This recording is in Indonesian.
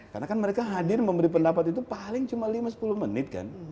karena kan mereka hadir memberi pendapat itu paling cuma lima sepuluh menit kan